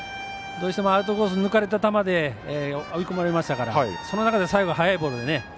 どうしてもアウトコースに抜かれた球で追い込まれましたからその中で最後速いボールでね。